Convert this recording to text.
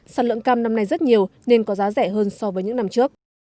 sản lượng cam năm nay rất nhiều nên có giá rẻ hơn so với những năm trước